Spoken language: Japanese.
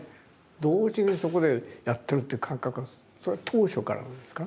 同時にそこでやってるって感覚はそれは当初からなんですか？